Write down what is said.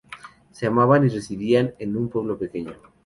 Se amaban y residían en un pueblo pequeño.